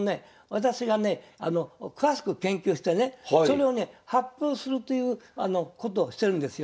私がね詳しく研究してねそれをね発表するということをしてるんですよ。